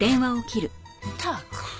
ったく。